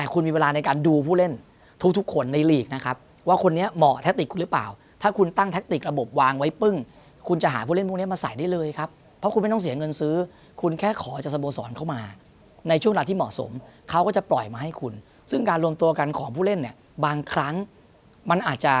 คุณมีเวลาในการดูผู้เล่นทุกทุกคนในลีกนะครับว่าคนนี้เหมาะแทคติกคุณหรือเปล่าถ้าคุณตั้งแท็กติกระบบวางไว้ปึ้งคุณจะหาผู้เล่นพวกนี้มาใส่ได้เลยครับเพราะคุณไม่ต้องเสียเงินซื้อคุณแค่ขอจากสโมสรเข้ามาในช่วงเวลาที่เหมาะสมเขาก็จะปล่อยมาให้คุณซึ่งการรวมตัวกันของผู้เล่นเนี่ยบางครั้งมันอาจจะ